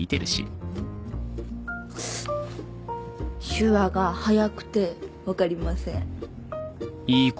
手話が速くてわかりません。